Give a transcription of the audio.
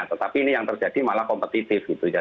tetapi ini yang terjadi malah kompetitif gitu ya